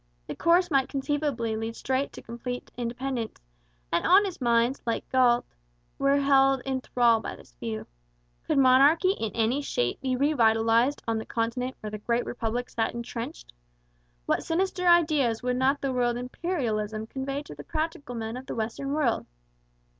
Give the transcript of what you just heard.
The course might conceivably lead straight to complete independence, and honest minds, like Galt's, were held in thrall by this view. Could monarchy in any shape be re vitalized on the continent where the Great Republic sat entrenched? What sinister ideas would not the word Imperialism convey to the practical men of the western world?